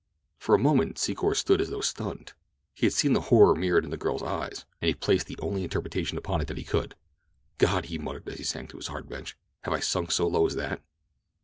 For a moment Secor stood as though stunned. He had seen the horror mirrored in the girl's eyes—and he had placed the only interpretation upon it that he could. "God," he muttered as he sank to his hard bench, "have I sunk so low as that?"